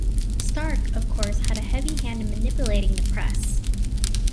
Stark, of course, had a heavy hand in manipulating the press.